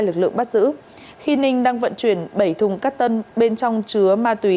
lực lượng bắt giữ khi ninh đang vận chuyển bảy thùng cắt tân bên trong chứa ma túy